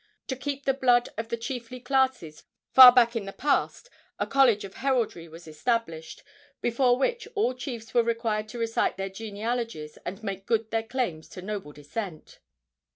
To keep pure the blood of the chiefly classes, far back in the past a college of heraldry was established, before which all chiefs were required to recite their genealogies and make good their claims to noble descent.